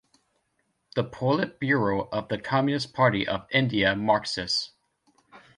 The Polit Bureau of the Communist Party of India Marxist.